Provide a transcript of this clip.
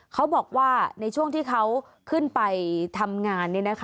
เขาบอกว่าในช่วงที่เขาขึ้นไปทำงาน